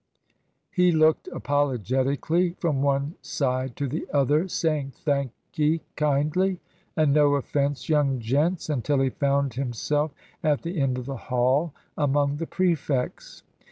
He looked apologetically from one side to the other, saying, "Thank'ee kindly," and "No offence, young gents," until he found himself at the end of the Hall among the prefects.